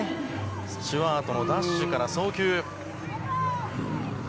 スチュワートのダッシュから送球。